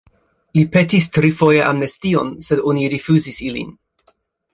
Li petis trifoje amnestion, sed oni rifuzis ilin.